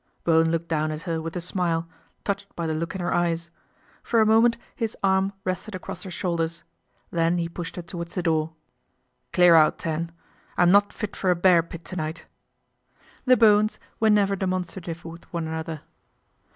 Bowen looked down at her with a smile, touched by the look in her eyes. For a moment his arm rested across her shoulders. Then he pushed her towards the door. " Clear out, Tan. I'm not fit for a bear pit to night." The Bowens were never demonstrative with one another.